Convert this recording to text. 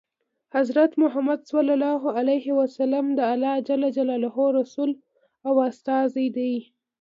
حضرت محمد ﷺ د الله ﷻ رسول او استازی دی.